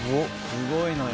すごいのよ。